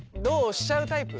しちゃうタイプ？